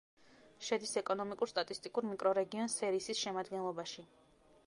შედის ეკონომიკურ-სტატისტიკურ მიკრორეგიონ სერისის შემადგენლობაში.